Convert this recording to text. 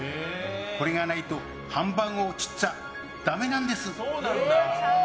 これがないとハンバーグを切っちゃダメなんです！